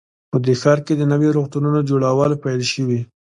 په دې ښار کې د نویو روغتونونو جوړول پیل شوي